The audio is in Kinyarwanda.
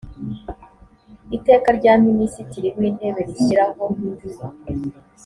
iteka rya minisitiri w intebe rishyiraho